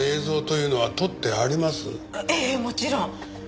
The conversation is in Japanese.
ええもちろん。